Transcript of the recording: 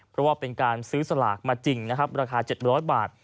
เพราะว่าเป็นการซื้อสลากมาจริงนะครับราคา๗๐๐บาท